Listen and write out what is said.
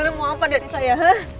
lo mau apa dari saya